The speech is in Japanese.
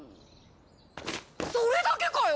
それだけかよ！